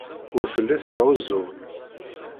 Ur telli tesɛuẓẓug.